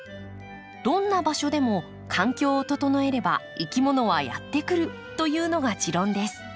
どんな場所でも環境を整えればいきものはやって来るというのが持論です。